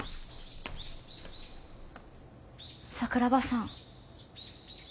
桜庭さん。